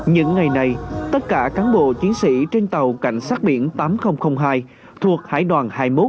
những ngày này tất cả cán bộ chiến sĩ trên tàu cảnh sát biển tám nghìn hai thuộc hải đoàn hai mươi một